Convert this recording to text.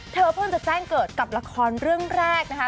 เธอเพิ่งจะแจ้งเกิดกับละครเรื่องแรกนะคะ